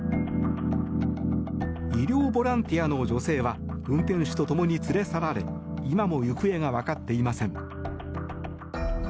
医療ボランティアの女性は運転手と共に連れ去られ今も行方が分かっていません。